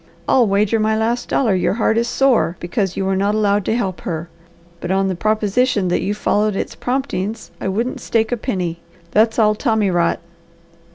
I'll wager my last dollar your heart is sore because you were not allowed to help her; but on the proposition that you followed its promptings I wouldn't stake a penny. That's all tommy rot!"